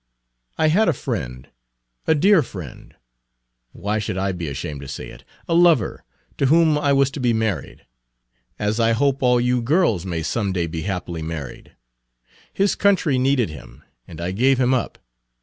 I had a friend, a dear friend, why should I be ashamed to say it? a lover, to whom I was to be married, as I hope all you girls may some day be happily married. His country needed him, and I gave him up.